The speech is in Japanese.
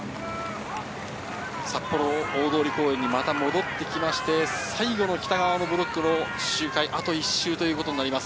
札幌大通公園にまた戻ってきまして、最後の北側ブロックの周回、あと１周です。